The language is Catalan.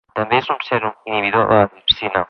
També és un sèrum inhibidor de la tripsina.